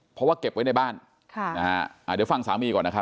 เพราะว่าเก็บไว้ในบ้านเดี๋ยวฟังสามีก่อนนะครับ